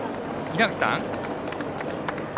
稲垣さん。